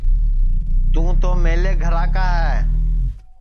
توں تو میلے گھرا کا ہے